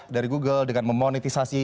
dari google dengan memonetisasi